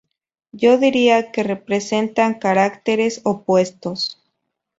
Yo diría que representan caracteres opuestos.